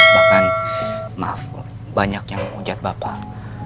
bahkan maaf banyak yang menghujat bapak